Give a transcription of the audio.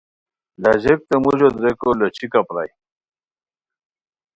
لاژیک تے موژو دریکو لوچھیکہ پرائے